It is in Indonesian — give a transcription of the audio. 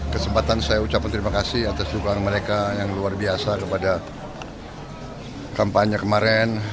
kesempatan saya ucapkan terima kasih atas dukungan mereka yang luar biasa kepada kampanye kemarin